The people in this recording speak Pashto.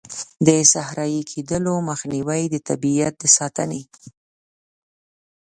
د صحرایې کیدلو مخنیوی، د طبیعیت د ساتنې.